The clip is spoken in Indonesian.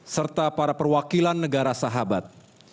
serta para perwakilan negara sahabat